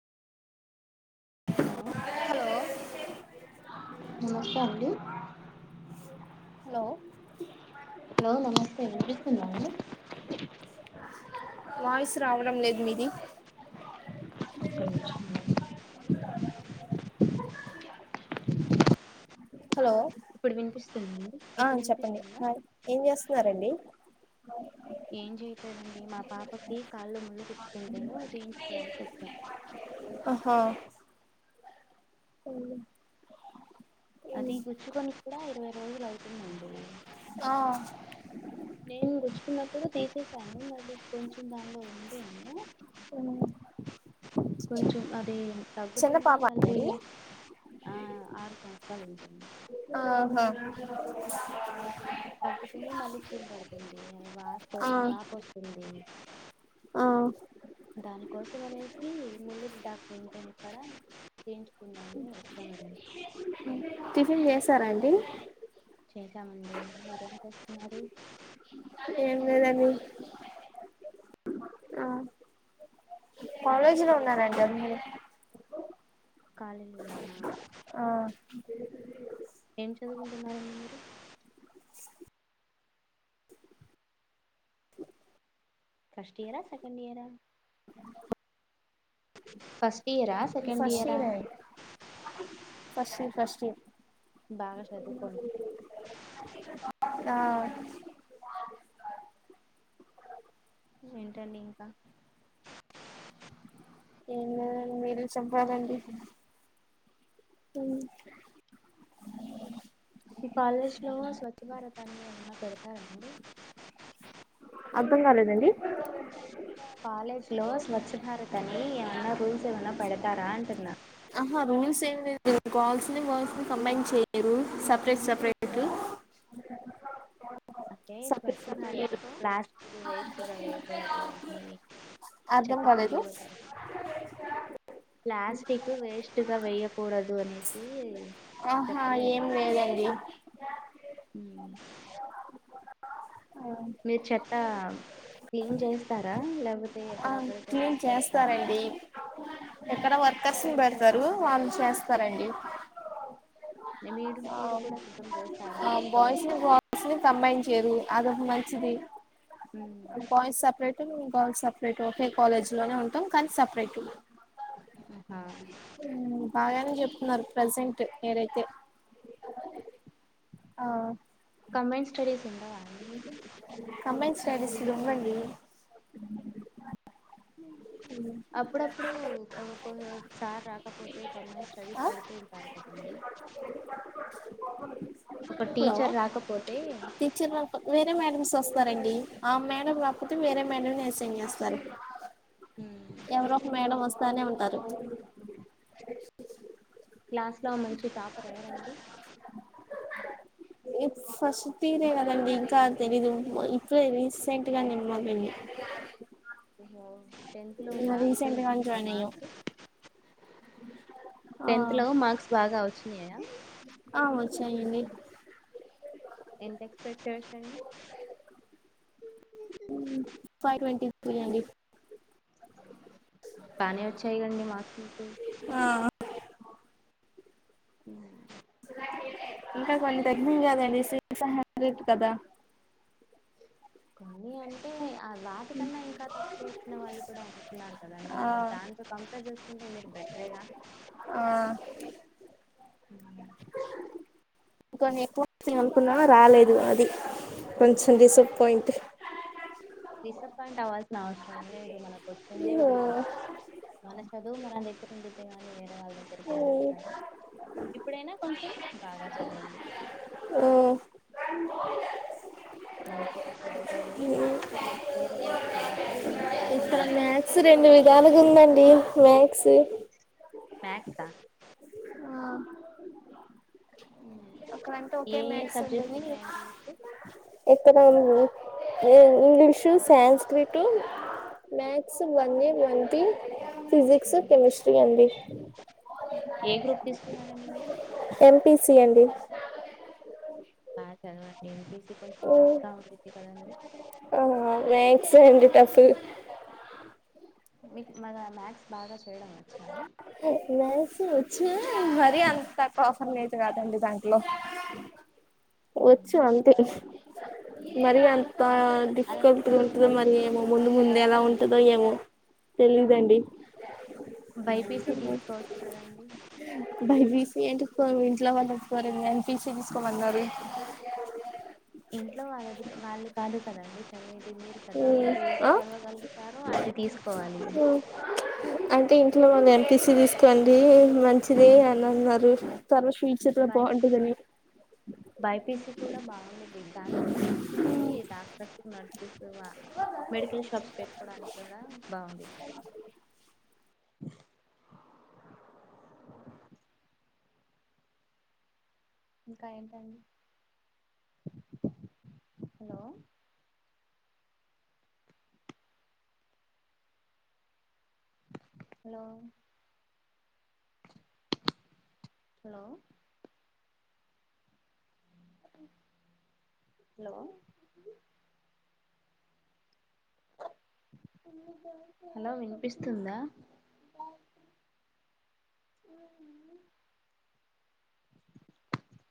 Hello నమస్తే అండి hello hello నమస్తే వినిపిస్తుందా అండి వాయిస్ రావడం లేదు మీది ఒక్క నిమిషం అకా హలో ఇప్పుడు వినిపిస్తుందండి ఆ ఇప్పుడు చెప్పండి ఇన్పిస్తుందా హాయ్ ఏం చేస్తున్నారండి ఏం చేయట్లేదండి మా పాపకి కాళ్ళో ముల్లు గుచ్చుకుంటేనో తీయించుకోవడానికి వచ్చాం అహ్హ అవును అది గుచ్చుకొని కుడా ఇరవై రోజులవుతుందండీ ఆ నేన్ గుచ్చుకున్నప్పుడు తీసేసాను మళ్లి కొంచెం దానిలో ఉందేమో అ కొంచెం అదీ చిన్న తగ్గుతుంది పాప మళ్ళీ అండి ఆ ఆర్ సంస్థలుంటాయ్ అ ఆహ తగ్గుతుంది మళ్ళి చీమ్ పడుతుందీ వాస్ప ఆ వాపొస్తుందీ ఆ దానికోసంనేసి ముల్లూరి డాక్టర్ [unintelligible] చేయించు కుందామని వచ్చామండి టిఫిన్ జేసారాండి చేద్దామండి మీరేం చేస్తున్నారు ఏం లేదండి కాలేజిలో ఉన్నారంటండి కాలెజిలానా ఆ ఏం చదుగుంటున్నారండి మీరు first year second year first ఇయరా సెకండ్ ఫ్రస్ట్ ఇయరా ఇయరే ఫస్ట్ ఇర్ ఫస్ట్ ఇర్ బాగా చదుకోండి ఆ ఏంటండింక ఎమ్లేదండి మీరె చెపాలండి ఇ కాలేజ్ లో స్వచ్ఛ భారత్ అని ఏమన్నా పెడతారాండి అద్దం కాలేదండి కాలేజ్లో స్వచ్ఛ భారత్ అని ఏమన్నా రూల్స్ ఏమన్నా పెడతారాంటున్న ఆహా రూల్స్ ఏం లేదు గర్లస్ని బాయ్స్ని కంబైన్ చేయరు రూల్స్ సప్రేట్ సప్రేట్ అంటే separate Swachh separate Bharat plastic వేస్ట్గావేయకుడదు అనీ అర్థం కాలేదు చెత్తకుండీలోనేవె ప్లాస్టిక్ వేస్ట్గా వెయ్యకూడదు అనేసి ఆహా ఏం చెప్పలేదా లేదండి హూం మీర్ చెప్పామ్ క్లీన్ చేస్తరా లేపోతే ఆమ్ క్లీన్చేస్తారండి ఇక్కడ వర్కర్స్ని బెడతరూ వాళ్ళు చేస్తారండి మీరు మీరు ఆమ్ కూడా శుభ్రం చేస్తారా అ అవసరమైతే బాయిస్నీ [unintelligible] అస్లు కంబైన్ చేయరు అది మంచిది ఊమ్ ఆల్ బాయ్స్సప్రేటు మేం గర్ల్స్ సప్రేటూ ఒకే కాలేజ్లోనే ఉంటాం కానీ సప్రేటు ఆహ ఊమ్ బాగానే జెప్తున్నారు ప్రజెంట్ మీరైతే ఆ కంబైన్స్టడీస్ ఉండవాన్డి మీకు కంబైన్ స్టడీస్ ఉండండి ఎందుకు అప్పుడప్పుడు ఆ ఒక్ సార్ రాకపోతే కమ్మైన్ స్టడీస్ ఆ పెడుతూ ఉంటారు కద్ దండి ఒక టీచర్ రాకపోతే చిర్రు ఒక వేరే మేడమ్స్ వస్తారండి ఆ మేడం రాకపోతే వేరే మేడంను అసైన్ జేస్తారు హ్మ్ ఎవరోక మేడం వస్తానే ఉంటారు [inaudible] ఎక్స్క్యూస్ మి క్లాస్ లో మంచి టాపర్ ఎవరండి [inaudible] ఇది ఫస్ట్ ఇయర్ ఎ గదండి ఇంకా తెలీదు మొ ఇప్పుడే రీసెంట్గానే మొదలైనయ్ ఏమో టెన్త్ లో రీసెంట్ బాగొచ్చినయా గా అండి జాయిన్ అయ్యాం మార్క్స్ ఆ టెన్త్ లో మార్క్స్ బాగా వచ్చినయా ఆ వచ్చాయండి ఎంత ఎక్స్పెక్ట్ చేయోచ్చండి హ్మ్ ఫైవ్ ట్వంటీ త్రీ అండి బానే వచ్చాయి గండి మార్క్స్ మీకు ఆ ఉమ్ ఇంకా కొన్ని తగ్గినయ్ గదండి సివిక్స్ అండ్ మా [unintelligible] కదా [inaudible] కొన్ని అంటే ఆ వాటికన్నా ఇంకా తక్కువ వచ్చిన వాళ్ళు కూడా ఉంటున్నారు కదండీ ఆ దాన్తో కంపేర్ జేసుకుంటే మీరు బెటరేగా ఆ హ్మ్ కొన్ని ఎక్కువోస్తయ్ అనుకున్నార రాలేదు అది కొంచెం డిసప్పాయింట్ డిసప్పయింట్ అవ్వాల్సిన అవసరమే లేదు మనకొచ్చిందే మనకు మనస్ చదువు మన దగ్గర ఉండిద్దె గానీ వేరే వాళ్ దగ్గరికి ఎల్లదు కదా ఇప్పుడైనా కొంచెం బాగా చదవండి ఆ ఉ మంచిగా చదువుకోండి వేరే వైపు వెళ్ళకండి బాగా ఇక్కడ మార్ మ్యాథ్స్ రెండు విధాలుగుందండి మ్యాథ్స్ మ్యాక్సా ఆ ఒకే ఏ ఏ సబ్జెక్ట్స్ ఉంటాయండి మీకు ఎక్కడ అండి ఉమ్ English Sanskrit maths one A one B physics, um. Chemistry అండి ఏ గ్రూప్ తీసుకున్నారండి మీరు ఎం పి సి అండి బా చదవండి ఎం పి సి కొంచెం కష్టంగ ఉండిద్ది కదండి ఆమాక్స్ ఏ అండి టఫ్ మీక్ మళ్ళ మ్యాథ్స్ బాగా చేయడం వచ్చా మాక్స్ వచ్చూ మరి అంత కాస్ కని మీతో కాదండి దాంట్లో ఉమ్. వచ్చు అంత మరి అంత అ డిఫికల్ట్ అలాంటప్పుడు ఉంటుంది మరి బైపీసీ ఏమో ముందు తీసుకోవచ్చు ముంద ఎలా కదండి ఉంట టదో ఎమో తెలిదాండి బైపీసీ తీసుకోవచ్చు కదాండి బై బీసీ ఏంటకో ఇంట్లో వాళ్ళ కోర అని పీసీ తీసుకోమన్నారు ఇంట్లో వాళ్ళ వాళ్ళు కాదు కదండి చదివేది మీరు కదా మీరు ఏది ఆ చదవగలుగుతారో అది తీసుకోవాలి అంటే ఇంట్లో వాళ్ళు ఎంపిసి తీసుకోండి మంచిది అని అన్నారు తర్వాత ఫూ చెత బావుంటదని బైపీస కూడా బాగుండేది దాని కోసం అని చెప్పి డాక్టర్స్ నర్సెస్ వా మెడికల్ షాప్స్ పెట్టుకోవడానికిలా బాగుంది ఇంకా ఏంటండి hello hello hello hello hello వినిపిస్తుందా అవు